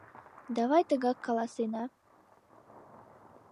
— Давай тыгак каласена.